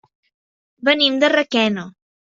Venim de Requena.